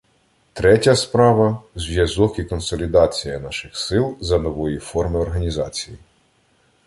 Третя справа — зв'язок і консолідація наших сил за нової форми організації.